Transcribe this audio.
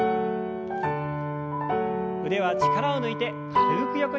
腕は力を抜いて軽く横に振りましょう。